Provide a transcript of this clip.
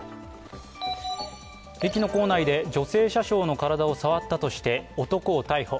駅の構内で女性車掌の体を触ったとして男を逮捕。